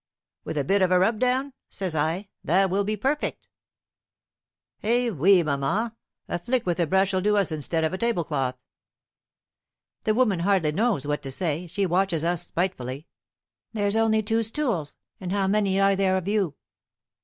"With a bit of a rub down," says I, "that will be perfect." "Eh, oui, maman, a flick with a brush'll do us instead of tablecloth." The woman hardly knows what to say; she watches us spitefully: "There's only two stools, and how many are there of you?"